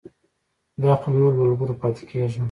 بیا خو له نورو ملګرو پاتې کېږم.